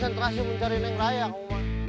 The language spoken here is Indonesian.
nah rendahnya dia